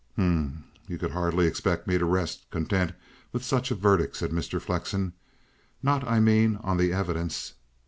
"H'm! You could hardly expect me to rest content with such a verdict," said Mr. Flexen. "Not, I mean, on the evidence."